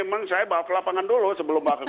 memang saya bawa ke lapangan dulu sebelum bawa ke kantor